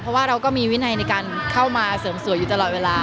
เพราะว่าเราก็มีวินัยในการเข้ามาเสริมสวยอยู่ตลอดเวลา